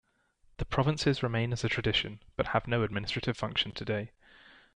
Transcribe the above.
The provinces remain as a tradition, but have no administrative function today.